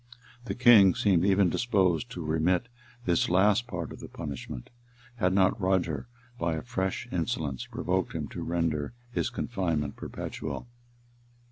The king seemed even disposed to remit this last part of the punishment; had not Roger, by a fresh insolence, provoked him to render his confinement perpetual.